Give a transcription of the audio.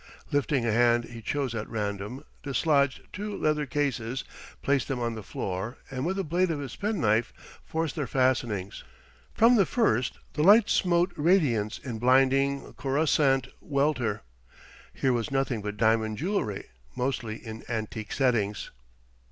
Lifting a hand he chose at random, dislodged two leather cases, placed them on the floor, and with a blade of his pen knife forced their fastenings. From the first the light smote radiance in blinding, coruscant welter. Here was nothing but diamond jewellery, mostly in antique settings.